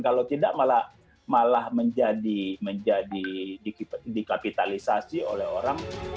kalau tidak malah menjadi dikapitalisasi oleh orang